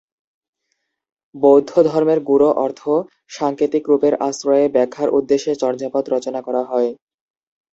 বৌদ্ধ ধর্মের গূঢ় অর্থ সাংকেতিক রূপের আশ্রয়ে ব্যাখ্যার উদ্দেশ্যে চর্যাপদ রচনা করা হয়।